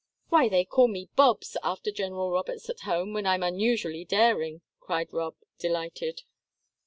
"Why, they call me 'Bobs' after General Roberts at home when I'm unusually daring," cried Rob, delighted.